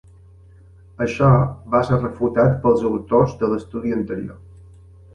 Això va ser refutat pels autors de l'estudi anterior.